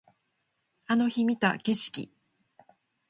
あの日見た景色